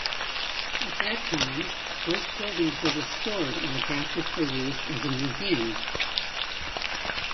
At that time, both buildings were restored and adapted for use as a museum.